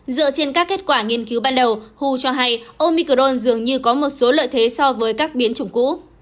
dựa trên các kết quả nghiên cứu ban đầu hu cho hay omicron dường như có một số lợi thế so với các biến chủng cũ